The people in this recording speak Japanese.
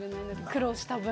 苦労した分。